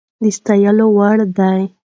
د ستايلو وړ ده